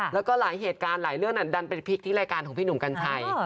แล้วก็หลายเหตุการณ์หลายเรื่องดันไปพลิกที่รายการของพี่หนุ่มกัญชัย